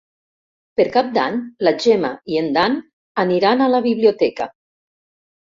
Per Cap d'Any na Gemma i en Dan aniran a la biblioteca.